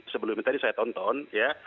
sebelumnya tadi saya tonton ya